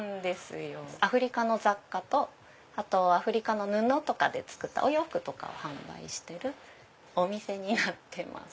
アフリカの雑貨とアフリカの布で作ったお洋服を販売してるお店になってます。